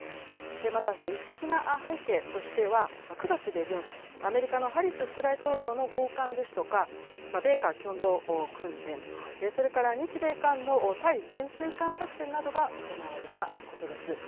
また政治的な背景としては、９月下旬、アメリカのハリス副大統領の訪韓ですとか、米韓共同訓練、それから日米韓の対潜水艦作戦などが行われたことです。